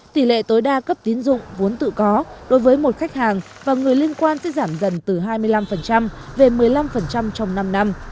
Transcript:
tỷ lệ tối đa cấp tiến dụng vốn tự có đối với một khách hàng và người liên quan sẽ giảm dần từ hai mươi năm về một mươi năm trong năm năm